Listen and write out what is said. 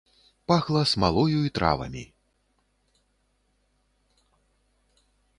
Пахла смалою і травамі.